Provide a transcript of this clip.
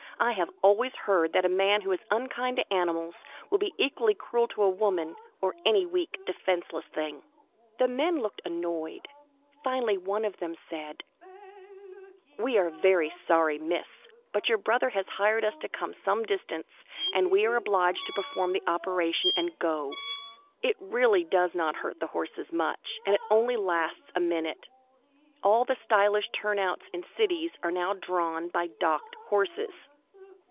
I have always heard that a man who is unkind to animals will be equally cruel to woman, or any weak, defenceless thing." The men looked annoyed. Finally one of them said: "We are very sorry, Miss, but your brother has hired us to come some distance, and we are obliged to perform the operation and go. It really does not hurt the horses much, and it only lasts a minute. All the stylish turnouts in cities are now drawn by docked horses."